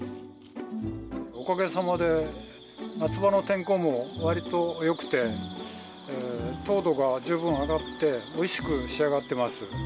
おかげさまで、夏場の天候もわりとよくて、糖度が十分上がって、おいしく仕上がってます。